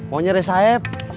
mau nyari sahab